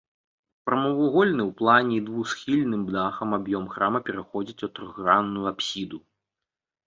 Прамавугольны ў плане з двухсхільным дахам аб'ём храма пераходзіць у трохгранную апсіду.